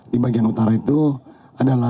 di bagian utara itu adalah